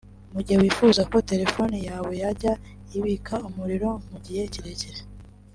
Mu gihe wifuza ko telephone yawe yajya ibika umuriro mu gihe kirekire